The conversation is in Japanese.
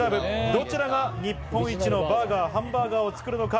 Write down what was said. どちらが日本一のハンバーガーを作るのか。